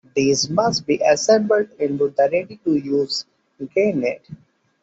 These must be assembled into the ready-to-use grenade.